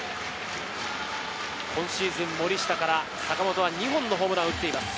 今シーズン、森下から坂本は２本のホームランを打っています。